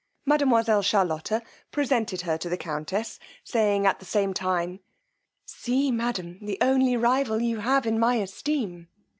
Mademoiselle Charlotta presented her to the countess, saying at the same time, see, madam, the only rival you have in my esteem.